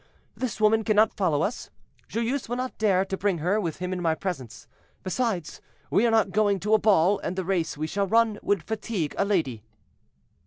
"This woman cannot follow us. Joyeuse will not dare to bring her with him in my presence. Besides, we are not going to a ball, and the race we shall run would fatigue a lady."